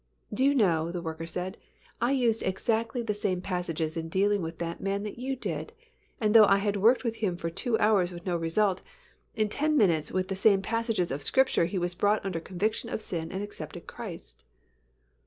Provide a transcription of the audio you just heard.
"Do you know," the worker said, "I used exactly the same passages in dealing with that man that you did, and though I had worked with him for two hours with no result, in ten minutes with the same passages of Scripture, he was brought under conviction of sin and accepted Christ."